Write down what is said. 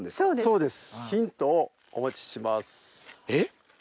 そうです。